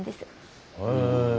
へえ。